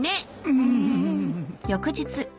うん。